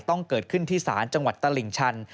เกิดขึ้นที่ศาลจังหวัดตลิ่งชัน